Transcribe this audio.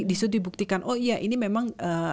disitu dibuktikan oh iya ini memang